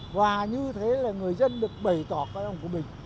và như thế là người dân được bày tỏ quan trọng của mình